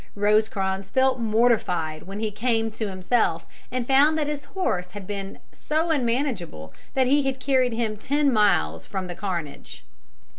Rosecrans felt mortified when he came to himself and found that his horse had been so unmanageable that he had carried him ten miles from the carnage.